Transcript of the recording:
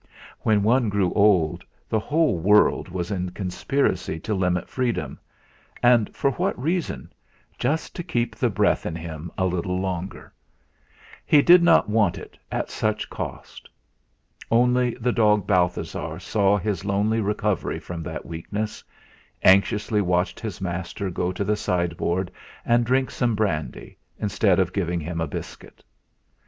When one grew old, the whole world was in conspiracy to limit freedom, and for what reason? just to keep the breath in him a little longer. He did not want it at such cost. Only the dog Balthasar saw his lonely recovery from that weakness; anxiously watched his master go to the sideboard and drink some brandy, instead of giving him a biscuit.